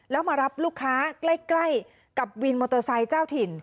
แล้วมารับลูกค้าใกล้กับวินมอเตอร์ไซค์เจ้าถิ่น